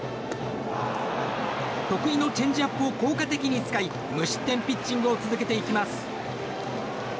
得意のチェンジアップを効果的に使い無失点ピッチングを続けていきます。